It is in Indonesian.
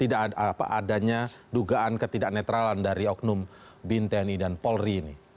tidak adanya dugaan ketidak netralan dari oknum bin tni dan polri ini